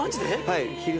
はい。